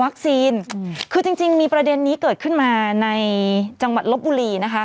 คือจริงจริงมีประเด็นนี้เกิดขึ้นมาในจังหวัดลบบุรีนะคะ